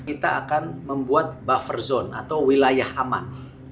kita akan membuat buffer zone atau wilayah aman